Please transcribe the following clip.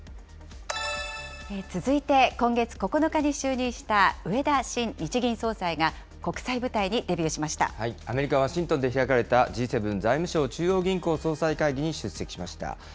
続いて今月９日に就任した植田新日銀総裁が、アメリカ・ワシントンで開かれた、Ｇ７財務相・中央銀行総裁会議に出席しました。